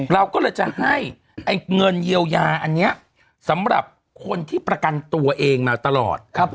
เราก็เลยจะให้เงินเยียวยาอันนี้สำหรับคนที่ประกันตัวเองมาตลอด